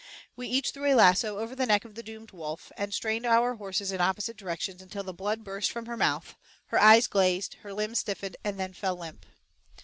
We each threw a lasso over the neck of the doomed wolf, and strained our horses in opposite directions until the blood burst from her mouth, her eyes glazed, her limbs stiffened and then fell limp.